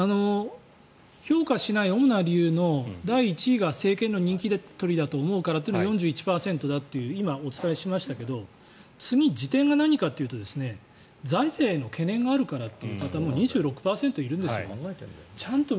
評価しない主な理由の第１位は政権の人気取りだと思うからが４１％だという今、お伝えしましたけど次、次点が何かというと財政への懸念があるからという方が２６％いるんですよ。